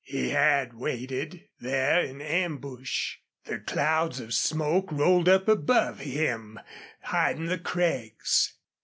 He had waited there in ambush. The clouds of smoke rolled up above him, hiding the crags.